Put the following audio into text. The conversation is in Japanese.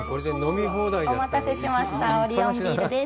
お待たせしましたオリオンビールです。